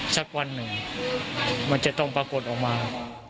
สักวันหนึ่งมันจะต้องปรากฏออกมา